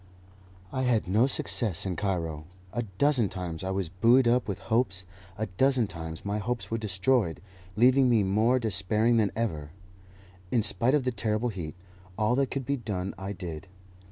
I had no success in Cairo. A dozen times I was buoyed up with hopes, a dozen times my hopes were destroyed, leaving me more despairing than ever. In spite of the terrible heat, all that could be done I did.